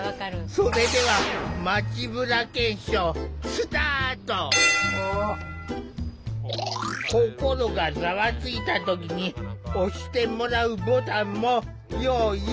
それでは心がざわついた時に押してもらうボタンも用意。